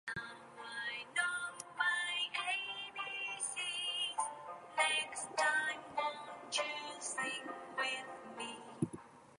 Clay Center is located near several post-secondary institutions.